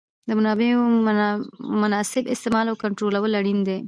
د منابعو مناسب استعمال او کنټرولول اړین دي.